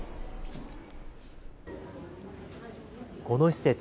この施設。